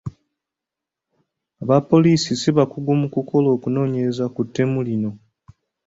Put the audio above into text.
Aba poliisi si bakugu mu kukola okunoonyereza ku ttemu lino.